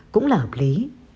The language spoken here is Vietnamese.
cũng là hợp lý